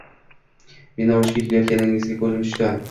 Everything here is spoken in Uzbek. Meni urishga kelayotganiga koʻzim tushdi